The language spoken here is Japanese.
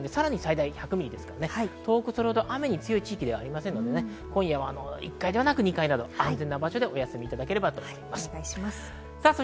東北、それほど雨に強い地域ではありませんので、今夜は１階ではなく２階など、安全な場所でお休みいただければと思います。